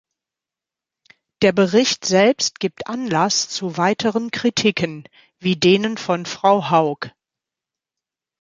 Der Bericht selbst gibt Anlass zu weiteren Kritiken, wie denen von Frau Haug.